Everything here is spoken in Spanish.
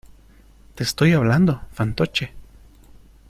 te estoy hablando, fantoche.